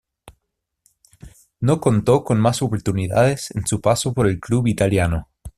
No contó con más oportunidades en su paso por el club italiano.